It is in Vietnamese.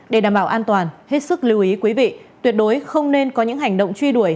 để đảm bảo an toàn hết sức lưu ý quý vị tuyệt đối không nên có những hành động truy đuổi